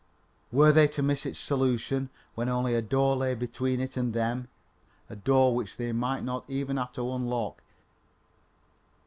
Were they to miss its solution, when only a door lay between it and them a door which they might not even have to unlock?